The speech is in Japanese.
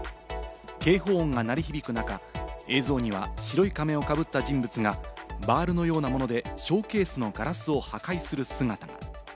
警報音が鳴り響く中、映像には白い仮面をかぶった人物がバールのようなものでショーケースのガラスを破壊する姿が。